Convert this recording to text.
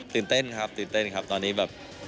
ตื่นเต้นครับตื่นเต้นครับตอนนี้แบบ